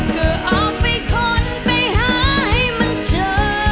ก็ออกไปค้นไปหาให้มันเจอ